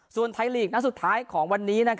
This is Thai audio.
ส่วนไทยลีกนัดสุดท้ายของวันนี้